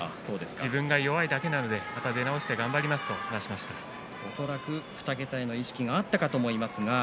自分が弱いだけなのでまた出直して頑張りますと恐らく２桁への意識があったと思います。